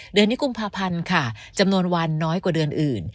เดือนนี้กุมภาพันธ์ค่ะจำนวนวันน้อยกว่าเดือนอื่น